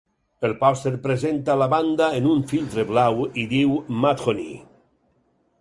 El pòster presenta la banda en un filtre blau i diu Mudhoney.